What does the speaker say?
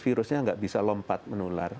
virusnya nggak bisa lompat menular